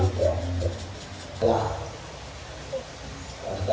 เมื่อ